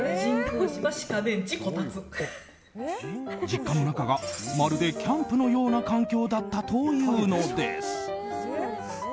実家の中がまるでキャンプのような環境だったというのです。